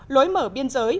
lối mở biên giới